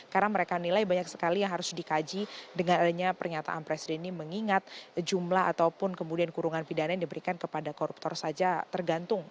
karena mereka nilai banyak sekali yang harus dikaji dengan adanya pernyataan presiden ini mengingat jumlah ataupun kemudian kurungan pidana yang diberikan kepada koruptor saja tergantung